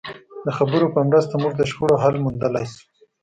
د خبرو په مرسته موږ د شخړو حل موندلای شو.